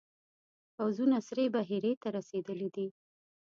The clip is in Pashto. پوځونه سرې بحیرې ته رسېدلي دي.